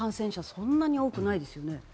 そんなに多くないですよね。